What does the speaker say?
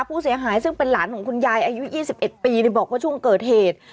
ผู้เสียหายซึ่งเป็นหลานของคุณยายอายุ๒๑ปีบอกว่าช่วงเกิดเหตุ